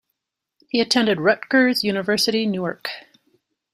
He attended Rutgers University-Newark.